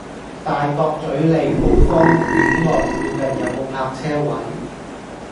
大角嘴利奧坊·曉岸附近有無泊車位？